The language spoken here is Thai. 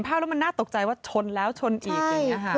ตามมาอย่างนี้หรอ